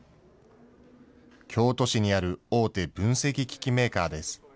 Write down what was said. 京都市にある大手分析機器メーカーです。